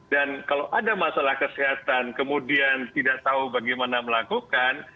dan kalau ada masalah kesehatan kemudian tidak tahu bagaimana melakukan